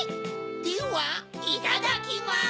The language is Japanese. ではいただきます。